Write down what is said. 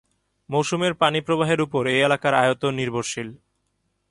মৌসুমের পানি প্রবাহের উপর এ এলাকার আয়তন নির্ভরশীল।